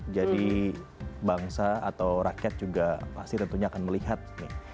jadi bangsa atau rakyat juga pasti tentunya akan melihat nih